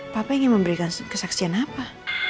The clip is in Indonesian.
papa ingin memberikan kesaksian apa